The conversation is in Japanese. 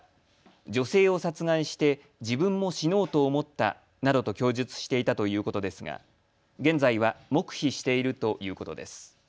女性を殺害して自分も死のうと思ったなどと供述していたということですが現在は黙秘しているということです。